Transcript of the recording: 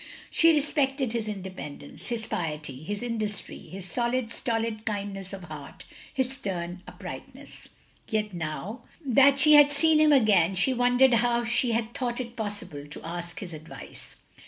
She respected his independence, his piety, his industry, his solid, stolid kindness of heart, his stem uprightness. Yet now that she had seen him again she won dered how she had thought it possible to ask his advice.